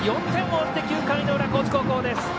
４点を追って、９回の裏高知高校です。